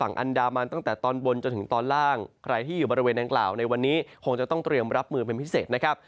อันดามันตั้งแต่ตอนบนจนถึงตอนล่างใครที่อยู่บริเวณดังกล่าวในวันนี้คงจะต้องเตรียมรับมือเป็นพิเศษนะครับ